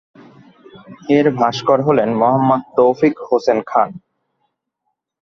এর ভাস্কর হলেন মোহাম্মদ তৌফিক হোসেন খান।